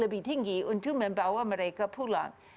lebih tinggi untuk membawa mereka pulang